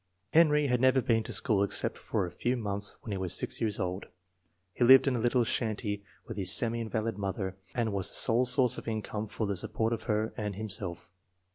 Henry had never been to school except for a few months when he was 6 years old. He lived in a little shanty with his semi invalid mother and was the sole source of income for the support of her and himself.